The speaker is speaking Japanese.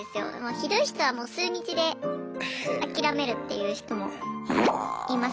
ひどい人はもう数日で諦めるっていう人もいます。